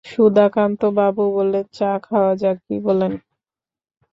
সুধাকান্তবাবু বললেন, চা খাওয়া যাক, কি বলেন?